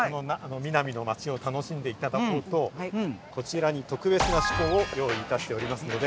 ミナミの街を楽しんでいただこうとこちらに特別な趣向を用意いたしておりますので。